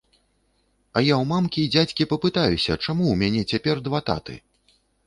А я ў мамкі і дзядзькі папытаюся, чаму ў мяне цяпер два таты?